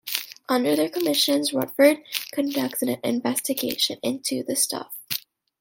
Under their commissions, Rutherford conducts an investigation into The Stuff.